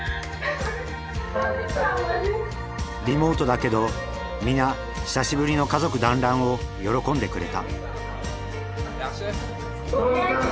リモートだけど皆久しぶりの家族団らんを喜んでくれた。